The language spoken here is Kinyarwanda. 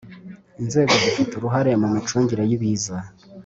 inzego zifite uruhare mu micungire yibiza